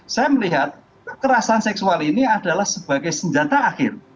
saya melihat kekerasan seksual ini adalah sebagai senjata akhir